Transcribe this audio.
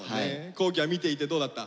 皇輝は見ていてどうだった？